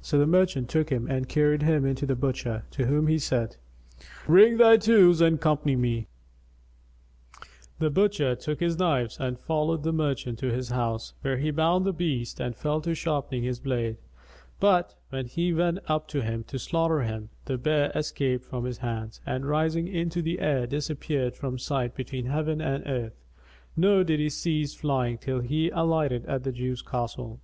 So the merchant took him and carried him to the butcher, to whom he said, "Bring thy tools and company me." The butcher took his knives and followed the merchant to his house, where he bound the beast and fell to sharpening his blade: but, when he went up to him to slaughter him, the bear escaped from his hands and rising into the air, disappeared from sight between heaven and earth; nor did he cease flying till he alighted at the Jew's castle.